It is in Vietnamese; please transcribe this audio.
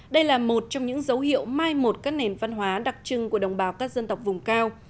đây là một trong những dấu hiệu mai một các nền văn hóa đặc trưng của đồng bào các dân tộc vùng cao